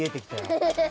ハハハハ！